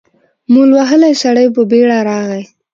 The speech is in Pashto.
مول وهلی سړی په بېړه راغی.